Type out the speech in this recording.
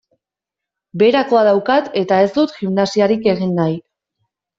Beherakoa daukat eta ez dut gimnasiarik egin nahi.